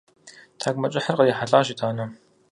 Тхьэкӏумэкӏыхьыр кърихьэлӏащ итӏанэ.